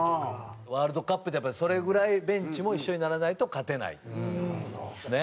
ワールドカップってやっぱりそれぐらいベンチも一緒にならないと勝てないというね。